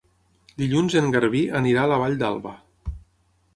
Dilluns en Garbí anirà a la Vall d'Alba.